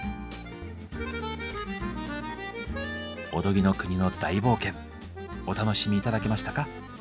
おとぎの国の大冒険お楽しみ頂けましたか？